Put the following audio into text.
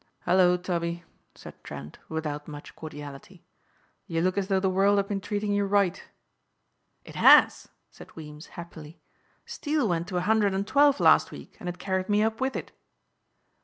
"Hello, Tubby," said Trent without much cordiality, "you look as though the world had been treating you right." "It has," said Weems happily. "Steel went to a hundred and twelve last week and it carried me up with it."